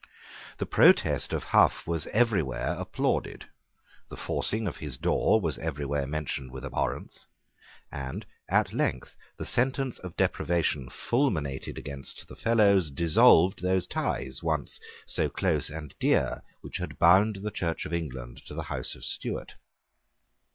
The protest of Hough was everywhere applauded: the forcing of his door was everywhere mentioned with abhorrence: and at length the sentence of deprivation fulminated against the Fellows dissolved those ties, once so close and dear, which had bound the Church of England to the House of Stuart.